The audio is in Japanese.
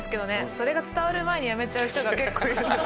それが伝わる前に辞めちゃう人が結構います。